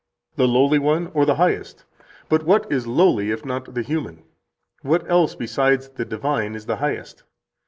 The lowly one or the Highest? But what is lowly if not the human? What else besides the divine is the Highest?